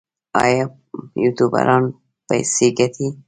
آیا یوټیوبران پیسې ګټي؟